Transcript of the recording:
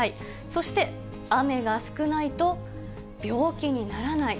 そして雨が少ないと、病気にならない。